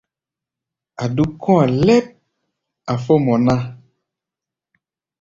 A̧ dúk kɔ̧́-a̧ lɛ́p, a̧ fó mɔ ná.